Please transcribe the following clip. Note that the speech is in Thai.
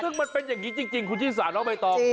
ซึ่งมันเป็นอย่างนี้จริงคุณชิสาน้องใบตอง